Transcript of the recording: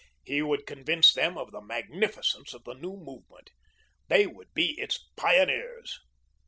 He would convince them of the magnificence of the new movement. They would be its pioneers.